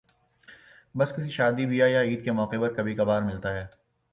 بس کسی شادی بیاہ یا عید کے موقع پر کبھی کبھارکھلتا ہے ۔